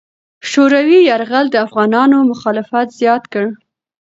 شوروي یرغل د افغانانو مخالفت زیات کړ.